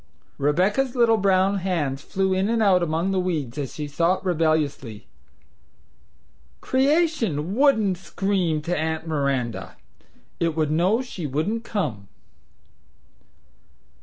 Rebecca's little brown hands flew in and out among the weeds as she thought rebelliously: "Creation WOULDN'T scream to Aunt Miranda; it would know she wouldn't come."